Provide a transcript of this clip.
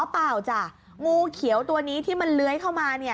เปล่าจ้ะงูเขียวตัวนี้ที่มันเลื้อยเข้ามา